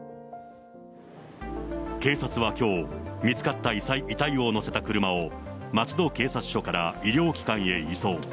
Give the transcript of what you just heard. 警察はきょう、見つかった遺体を乗せた車を松戸警察署から医療機関へ移送。